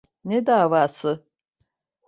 Ne davası?